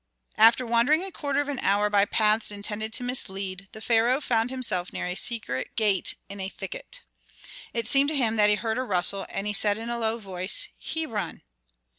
After wandering a quarter of an hour by paths intended to mislead, the pharaoh found himself near a secret gate in a thicket. It seemed to him that he heard a rustle, and he said in a low voice, "Hebron!"